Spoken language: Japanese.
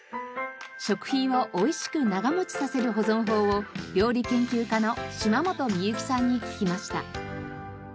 食品を美味しく長持ちさせる保存法を料理研究家の島本美由紀さんに聞きました。